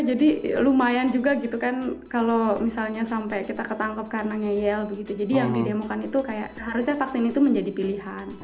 jadi yang didemokan itu kayak harusnya vaksin itu menjadi pilihan